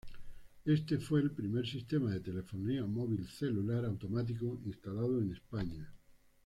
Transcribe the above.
Este fue el primer sistema de telefonía móvil celular automático instalado en España.